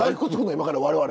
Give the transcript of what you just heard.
今から我々。